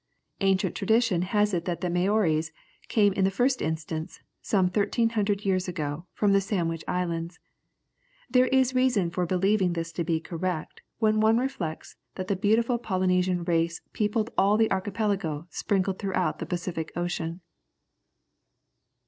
Ancient tradition has it that the Maories came in the first instance, some thirteen hundred years ago, from the Sandwich Islands. There is reason for believing this to be correct, when one reflects that the beautiful Polynesian race peopled all the archipelago sprinkled throughout the Pacific Ocean.